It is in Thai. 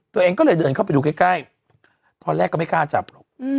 ตัวเองก็เลยเดินเข้าไปดูใกล้ตอนแรกก็ไม่กล้าจับหรอก